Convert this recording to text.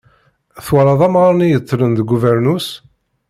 Twalaḍ amɣar-nni yettlen deg ubernus?